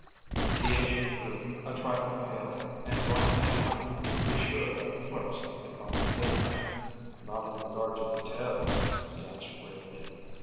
The agent grew a trifle paler and glanced behind him to be sure that the clerks had gone to dinner. "Not in regard to details," he answered gravely.